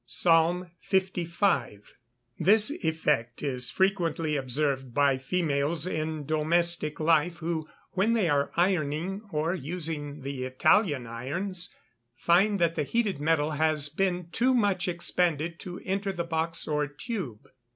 PSALM LV.] This effect is frequently observed by females in domestic life, who, when they are ironing, or using the Italian irons, find that the heated metal has been too much expanded to enter the box or tube.